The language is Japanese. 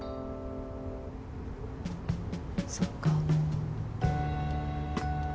そっか。